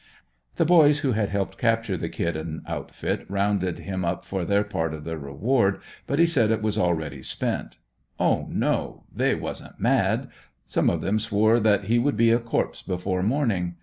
The boys who had helped capture the "Kid" and outfit rounded him up for their part of the reward, but he said it was already spent. Oh no, they wasn't mad! Some of them swore that he would be a corpse before morning.